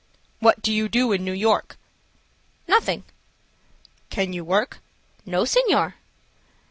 "What do you do in New York?" "Nothing." "Can you work?" "No, senor."